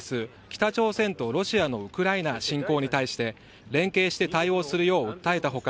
北朝鮮とロシアのウクライナ侵攻に対して連携して対応するよう訴えた他